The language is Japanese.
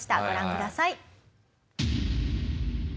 ご覧ください。